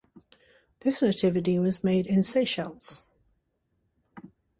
This nativity was made in Seychelles.